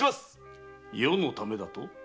余のためだと？